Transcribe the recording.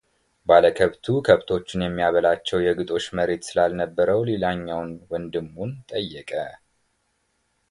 ባለከብቱ ከብቶቹን የሚያበላቸው የግጦሽ መሬት ስላልነበረው ሌላኛውን ወንድሙን ጠየቀ፡፡